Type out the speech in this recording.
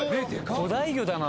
巨大魚だな。